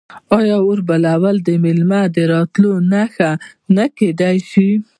آیا اور بلول د میلمه د راتلو نښه نه کیدی شي؟